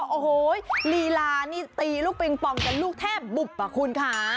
โอ้โหลีลานี่ตีลูกปิงปองกันลูกแทบบุบอ่ะคุณค่ะ